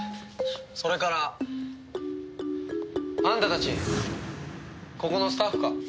それからあんたたちここのスタッフか？